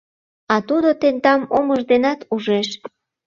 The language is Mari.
А тудо тендам омыж денат ужеш.